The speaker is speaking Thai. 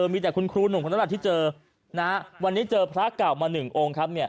มีแต่คุณครูหนุ่มคนละที่เจอนะวันนี้เจอพระเก่ามาหนึ่งองค์ครับเนี่ย